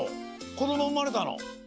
こどもうまれたの？